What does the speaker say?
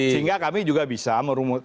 sehingga kami juga bisa merumut